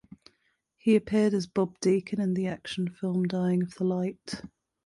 He appeared as Bob Deacon in the action film "Dying of the Light".